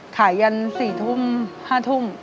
ยัน๔ทุ่ม๕ทุ่ม